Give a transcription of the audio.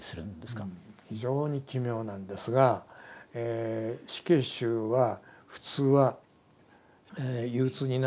非常に奇妙なんですが死刑囚は普通は憂鬱になって死を恐れてというふうに